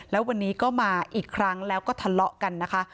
แล้ววันนี้ก็มาอีกครั้งแล้วก็ทะเลาะกันนะคะ